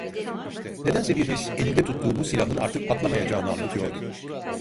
Nedense bir his, elinde tuttuğu bu silahın artık patlamayacağını anlatıyordu.